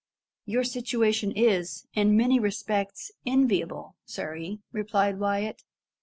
"Your situation is, in many respects, enviable, Surrey," replied Wyat.